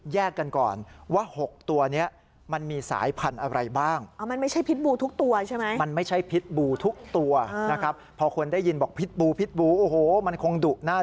แยกกันก่อนว่า๖ตัวนี้มันมีสายพันธุ์อะไรบ้าง